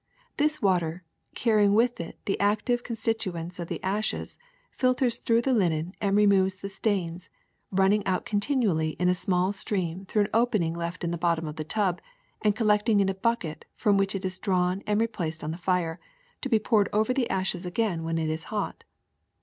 This water, carrying with it the active constituents of the ashes, filters through the linen and removes the stains, running out continually in a small stream through an opening left in the bottom of the tub and collecting in a bucket from which it is drawn and re placed on the fire, to be poured over the ashes again when it is hot.